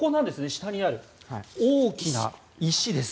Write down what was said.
下にある大きな石です。